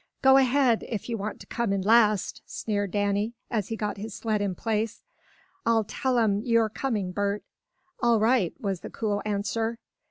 "Go ahead, if you want to come in last!" sneered Danny, as he got his sled in place. "I'll tell 'em you're coming, Bert." "All right," was the cool answer.